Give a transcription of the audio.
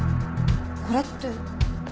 これって。